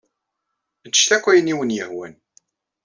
Ččet akk ayen i wen-yehwan.